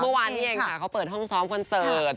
เมื่อวานนี้เองค่ะเขาเปิดห้องซ้อมคอนเสิร์ต